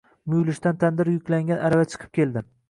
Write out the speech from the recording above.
Muyulishdan tandir yuklangan arava chiqib keldi